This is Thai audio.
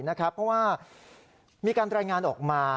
เพราะว่ามีการรายงานออกมา